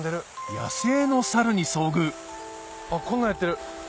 野生の猿に遭遇こんなんやってる。